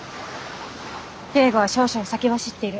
京吾は少々先走っている。